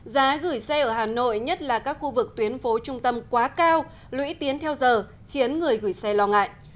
giá gửi xe ở hà nội nhất là các khu vực tuyến phố trung tâm quá cao lũy tiến theo giờ khiến người gửi xe lo ngại